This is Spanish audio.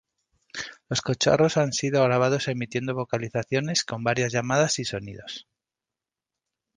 Los cachorros han sido grabados emitiendo vocalizaciones con varios llamadas y sonidos.